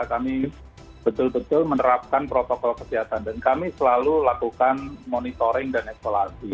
kami betul betul menerapkan protokol kesehatan dan kami selalu lakukan monitoring dan evaluasi